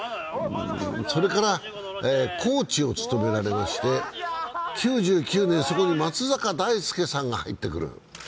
それからコーチを務められまして、９９年、そこに松坂大輔さんが入ってくる。